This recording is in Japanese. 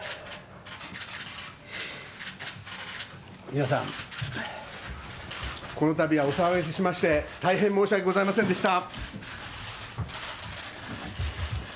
皆さん、このたびはお騒がせしまして、大変申し訳ございませんでした。